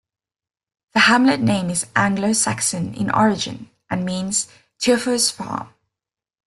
The hamlet name is Anglo Saxon in origin, and means 'Teofer's farm'.